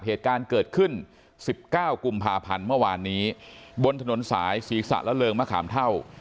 เหตุการณ์เกิดขึ้น๑๙กุมภาพันธ์เมื่อวานนี้บนถนนสายศีรษะและเริงมะขามเท่า